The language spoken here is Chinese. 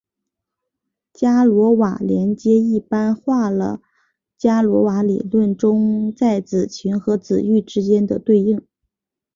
伽罗瓦连接一般化了伽罗瓦理论中在子群和子域之间的对应。